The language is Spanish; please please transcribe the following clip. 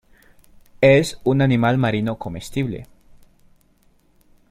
Es un animal marino comestible.